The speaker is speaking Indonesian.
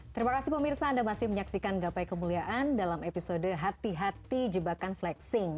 terima kasih pemirsa anda masih menyaksikan gapai kemuliaan dalam episode hati hati jebakan flexing